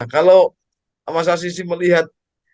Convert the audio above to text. kalau mas asisi melihat